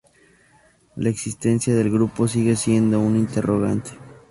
La existencia del grupo sigue siendo un interrogante.